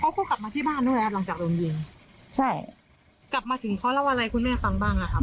คงกลับมาที่บ้านด้วยครับหลังจากโดนยิงใช่กลับมาถึงเขาเล่าอะไรคุณแม่ฟังบ้างอ่ะครับ